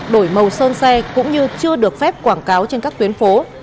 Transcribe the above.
đổi màu sơn xe cũng như chưa được phép quảng cáo trên các tuyến phố